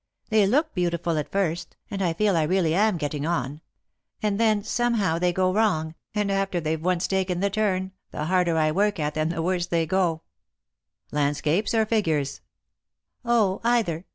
They look beautiful at first, and I feel I really am getting on ; and then somehow they go wrong, and after they've once taken the turn, the harder I work at them the worse they go." 22 Lost for Love. " Landscapes or figures P "" 0, either.